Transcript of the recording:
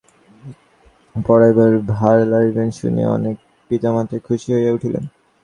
এজন্য ইঁহারা মেয়েদের বিনা বেতনে পড়াইবার ভার লইবেন শুনিয়া অনেক পিতামাতাই খুশি হইয়া উঠিলেন।